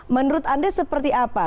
menurut anda seperti apa